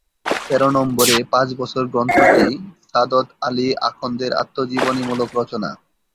তেরো নম্বরে পাঁচ বছর গ্রন্থটি সা’দত আলি আখন্দের আত্মজীবনীমূলক রচনা।